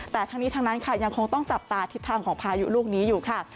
แต่ทั้งนี้ทั้งนั้นค่ะยังคงต้องจับตาทิศทางของพายุลูกนี้อยู่ค่ะ